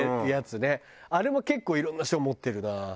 あれも結構いろんな人が持ってるな。